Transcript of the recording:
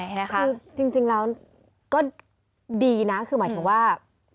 คือจริงแล้วก็ดีนะคือหมายถึงว่า